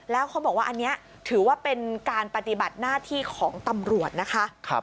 แล้วเขาบอกว่าอันนี้ถือว่าเป็นการปฏิบัติหน้าที่ของตำรวจนะคะ